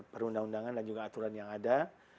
perundang undangan dan juga aturan yang ada